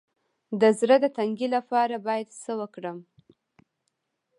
د زړه د تنګي لپاره باید څه وکړم؟